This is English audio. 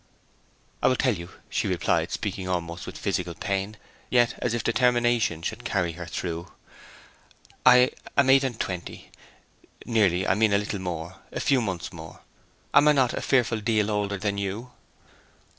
'I will tell you,' she replied, speaking almost with physical pain, yet as if determination should carry her through. 'I am eight and twenty nearly I mean a little more, a few months more. Am I not a fearful deal older than you?'